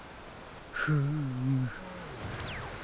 フーム。